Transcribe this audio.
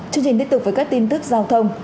chương trình tiếp tục với các tin tức giao thông